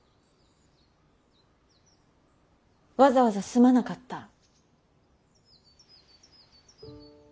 わざわざすまなかった。